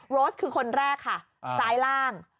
โรสคือคนแรกค่ะซ้ายล่าง